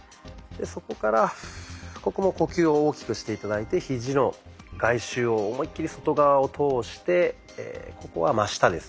そこからここも呼吸を大きくして頂いてひじの外周を思い切り外側を通してここは真下ですね。